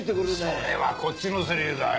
それはこっちのセリフだよ。